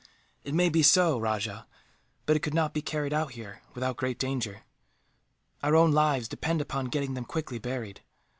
"It may be so, Rajah, but it could not be carried out, here, without great danger. Our own lives depend upon getting them quickly buried.